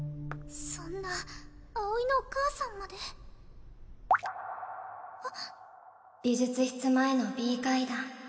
そんな葵のお母さんまであっ美術室前の Ｂ 階段